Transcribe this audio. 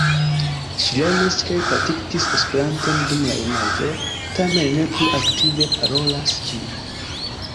Ŝi lernis kaj praktikis Esperanton dum la junaĝo, tamen ne plu aktive parolas ĝin.